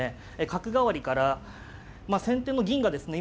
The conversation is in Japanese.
角換わりからまあ先手の銀がですね